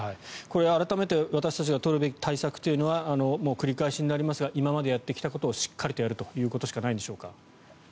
改めて私たちが取るべき対策というのは繰り返しになりますが今までやってきたことをしっかりやるということしかないんでしょうか。